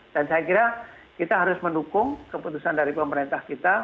dan saya kira kita harus mendukung keputusan dari pemerintah kita